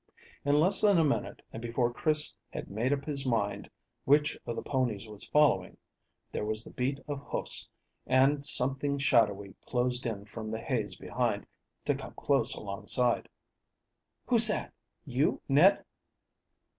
In less than a minute, and before Chris had made up his mind which of the ponies was following, there was the beat of hoofs, and something shadowy closed in from the haze behind, to come close alongside. "Who's that? You, Ned?"